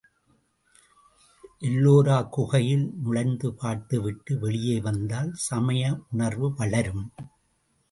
எல்லோராக் குகையில் நுழைந்து பார்த்துவிட்டு வெளியே வந்தால் சமய உணர்வு வளரும்.